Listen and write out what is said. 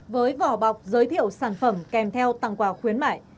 với vỏ bọc giới thiệu sản phẩm kèm theo tặng quà khuyến mại